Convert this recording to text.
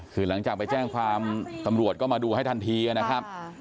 คือหลังจากไปแจ้งความตำรวจก็มาดูให้ทันทีนะครับ